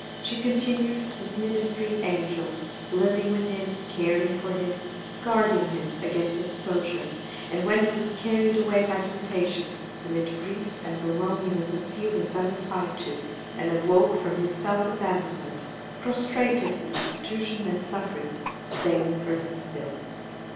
She continued his ministering angel—living with him, caring for him, guarding him against exposure, and when he was carried away by temptation, amid grief and the loneliness of feelings unreplied to, and awoke from his self abandonment prostrated in destitution and suffering, begging for him still.